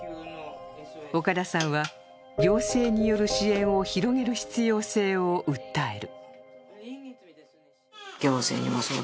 岡田さんは行政による支援を広げる必要性を訴える。